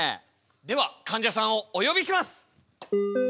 ではかんじゃさんをおよびします。